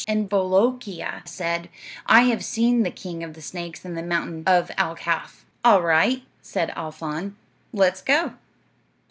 "And Bolookeea said, 'I have seen the king of the snakes in the mountain of Al Kaaf.' "'All right,' said Al Faan; 'let's go.'